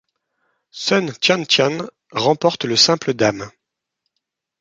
Sun Tiantian remporte le simple dames.